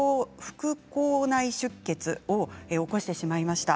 こう内内出血を起こしてしまいました。